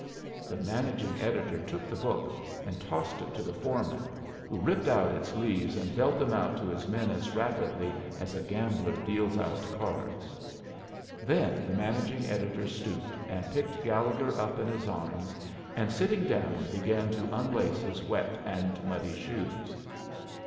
The managing editor took the book, and tossed it to the foreman, who ripped out its leaves and dealt them out to his men as rapidly as a gambler deals out cards. Then the managing editor stooped and picked Gallegher up in his arms, and, sitting down, began to unlace his wet and muddy shoes.